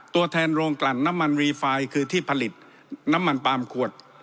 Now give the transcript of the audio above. ตัวแทนโรงกลั่นน้ำมันรีไฟคือที่ผลิตน้ำมันปาล์มขวด